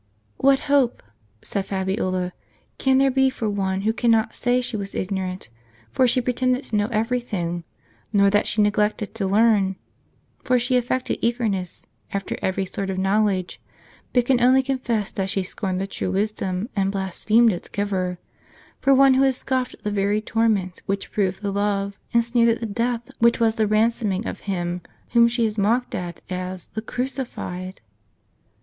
"What hope," said Fabiola, "can there be for one who cannot say she was ignorant, for she pretended to know every thing ; nor that she neglected to learn, for she affected eager ness after every sort of knowledge ; but can only confess that she scorned the true wisdom, and blasphemed its Giver; — for one who has scoffed at the very torments which proved the love, and sneered at the death which was the ran soming, of Him whom she has mocked at, as the 'Cruci fied